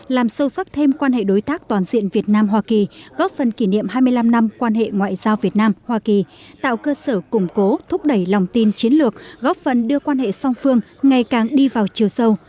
làm sâu sắc thêm quan hệ đối tác toàn diện việt nam hoa kỳ góp phần kỷ niệm hai mươi năm năm quan hệ ngoại giao việt nam hoa kỳ tạo cơ sở củng cố thúc đẩy lòng tin chiến lược góp phần đưa quan hệ song phương ngày càng đi vào chiều sâu